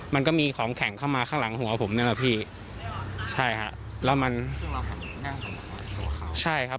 มันก็มีของแข็งเข้ามาข้างหลังหัวผมนี่แหละพี่ใช่ฮะแล้วมันหัวใช่ครับ